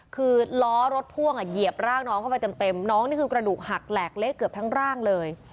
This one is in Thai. คือล้อรถพ่วงเหยียบร่างน้องเข้าไปเต็มน้องนี่คือกระดูกหักแหลกเละเกือบทั้งร่างเลย